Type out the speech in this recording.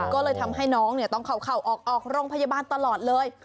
ก็เลยทำให้น้องต้องเข่าออกโรงพยาบาลตลอดเลย